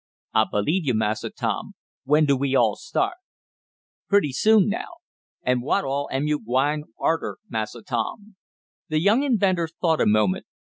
"I believe you, Massa Tom. When do we all start?" "Pretty soon now." "An' what all am yo' gwine arter, Massa Tom?" The young inventor thought a moment.